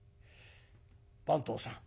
番頭さん」。